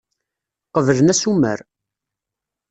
Qeblen asumer.